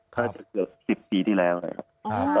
กักเป็นเกือบ๑๐ปีที่แล้วนะครับ